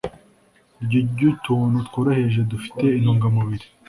jya urya utuntu tworoheje dufite intungamubiri